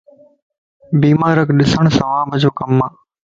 بيمارکَ ڏسڻ ثواب جو ڪمَ